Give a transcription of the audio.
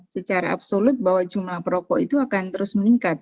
secara absolut bahwa jumlah perokok itu akan terus meningkat